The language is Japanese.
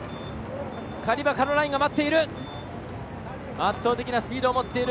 カリバ・カロラインが待っている。